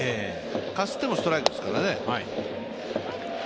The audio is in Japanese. かすってもストライクですからね。